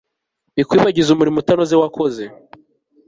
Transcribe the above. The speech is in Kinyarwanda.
bikwibagize umurimo utanoze wakoze